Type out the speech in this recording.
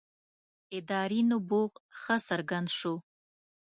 ادارې نبوغ ښه څرګند شو.